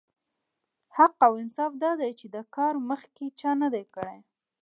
حق او انصاف دا دی چې دا کار مخکې چا نه دی کړی.